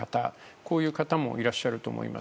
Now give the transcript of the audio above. こういう方もいらっしゃると思います。